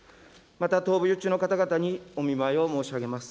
また闘病中の方々にお見舞いを申し上げます。